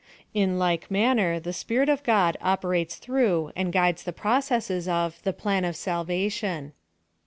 In like manner the Spirit of God operates through and guides the processes of the Plan of Salvation.